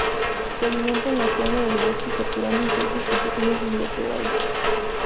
Se alimenta en la fronda del bosque capturando insectos y pequeños invertebrados.